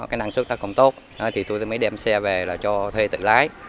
còn tốt thì tôi mới đem xe về là cho thuê tự lái